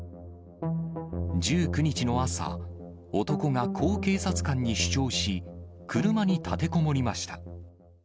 １９日の朝、男がこう警察官に主張し、車に立てこもりました。